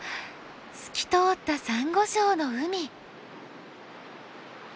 透き通ったサンゴ礁の海。